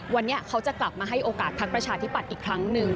วันนี้เขาจะกลับมาให้โอกาสพักประชาธิปัตย์อีกครั้งหนึ่ง